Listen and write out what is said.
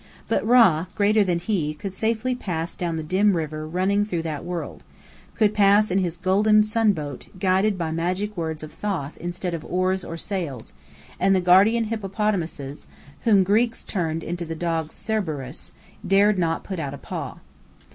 But Rä, greater than he, could safely pass down the dim river running through that world: could pass in his golden sun boat, guided by magic words of Thoth instead of oars or sails; and the guardian hippopotamus (whom Greeks turned into the dog Cerberus) dared not put out a paw.